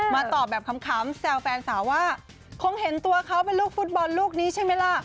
ตอบแบบขำแซวแฟนสาวว่าคงเห็นตัวเขาเป็นลูกฟุตบอลลูกนี้ใช่ไหมล่ะ